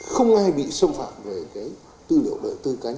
không ai bị xâm phạm về cái tư liệu đợi tư cá nhân